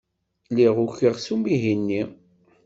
Lliɣ ukiɣ s umihi-nni.